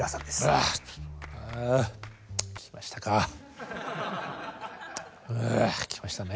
あぁ来ましたね。